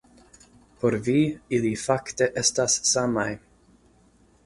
Por vi, ili fakte estas samaj.